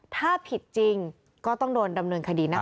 ถ้าผิดจริงก็ต้องโดนดำเนินคดีนะคะ